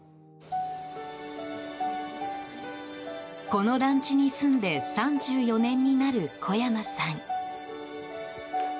この団地に住んで３４年になる小山さん。